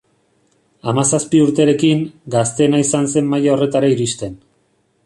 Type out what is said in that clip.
Hamazazpi urterekin, gazteena izan zen maila horretara iristen.